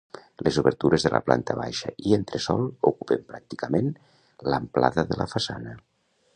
Les obertures de la planta baixa i entresòl ocupen pràcticament l'amplada de la façana.